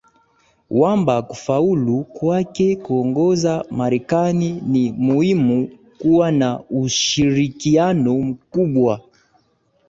wamba kufaulu kwake kuongoza marekani ni muhimu kuwa na ushirikiano mkubwa